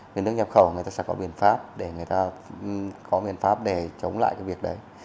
về nước nhập khẩu người ta sẽ có biện pháp để người ta có biện pháp để chống lại cái việc đấy